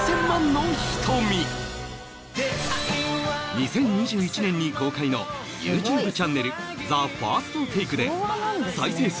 ２０２１年に公開の ＹｏｕＴｕｂｅ チャンネル「ＴＨＥＦＩＲＳＴＴＡＫＥ」で再生数